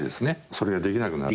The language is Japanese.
それができなくなって。